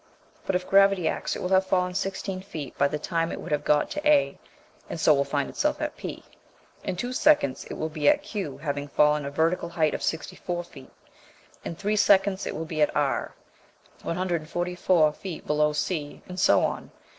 But if gravity acts it will have fallen 16 feet by the time it would have got to A, and so will find itself at P. In two seconds it will be at Q, having fallen a vertical height of 64 feet; in three seconds it will be at R, 144 feet below C; and so on.